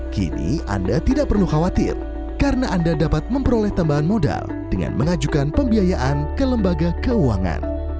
kini anda tidak perlu khawatir karena anda dapat memperoleh tambahan modal dengan mengajukan pembiayaan ke lembaga keuangan